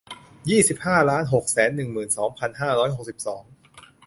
ยี่สิบห้าล้านหกแสนหนึ่งหมื่นสองพันห้าร้อยหกสิบสอง